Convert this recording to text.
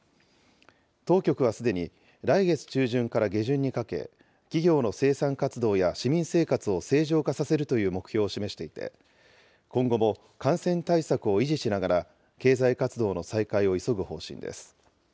当局はすでに、来月中旬から下旬にかけ、企業の生産活動や市民生活を正常化させるという目標を示していて、今後も感染対策を維持しながら、経済活動の再開を急ぐ方針です。